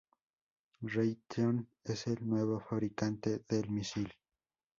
Raytheon es el nuevo fabricante del misil.